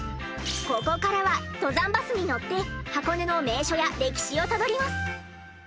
ここからは登山バスに乗って箱根の名所や歴史をたどります。